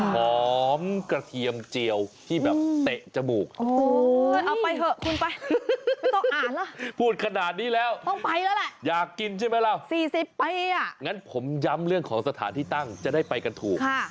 เป็นปีสิปป่ะอย่างนั้นผมย้ำเรื่องของสถานที่ตั้งจะได้ไปกันถูกค่ะ